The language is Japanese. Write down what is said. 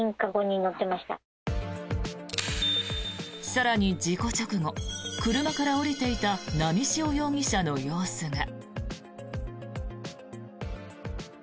更に事故直後車から降りていた波汐容疑者の様子が。